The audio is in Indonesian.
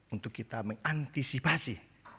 untuk kita mengantisipasi